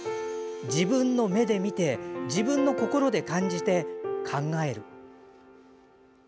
「自分の目で見て自分の心で感じて考える」。